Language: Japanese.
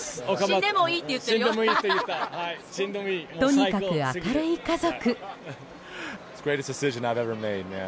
とにかく明るい家族。